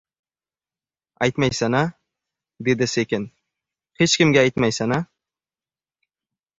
— Aytmaysan-a? — dedi sekin. — Hech kimga aytmaysan-a?